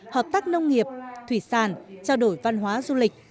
hợp tác nông nghiệp thủy sản trao đổi văn hóa du lịch